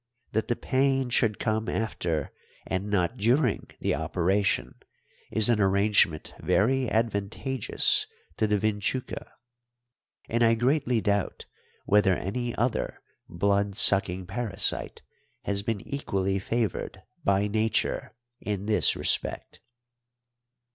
That the pain should come after and not during the operation is an arrangement very advantageous to the vinchuca, and I greatly doubt whether any other blood sucking parasite has been equally favoured by nature in this respect.